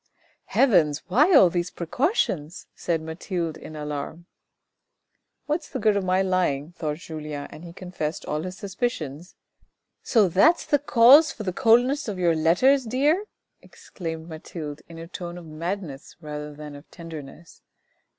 " Heavens, why all these precautions ?" said Mathilde in alarm. " What is the good of my lying ?" thought Julien, and he confessed all his suspicions. 11 So that's the cause for the coldness of your letters, dear," exclaimed Mathilde in a tone of madness rather than of tenderness.